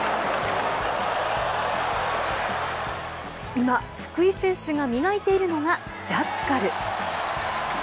今、福井選手が磨いているのが、ジャッカル。